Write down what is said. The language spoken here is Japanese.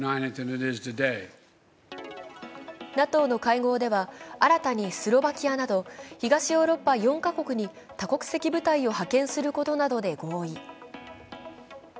ＮＡＴＯの会合では新たにスロバキアなど、東ヨーロッパ４カ国に多国籍部隊を派遣することなどで合意。